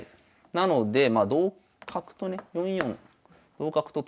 なのでまあ同角とね４四同角と取るんですが。